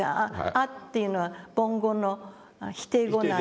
「ア」っていうのは梵語の否定語なんで。